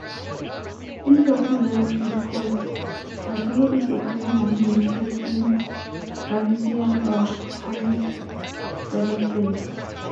In popular discourse Martelo is occasionally noted in Galician or Carlist cyberspace.